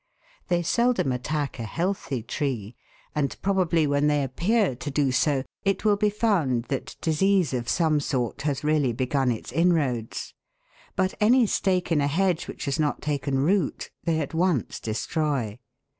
They seldom attack a healthy tree, and probably when they appear to do so it will be found that disease of some sort has really begun its inroads ; but any stake in a hedge which has not taken root they at once destroy.